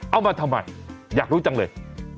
เอามาทำไมอยากรู้จังเลย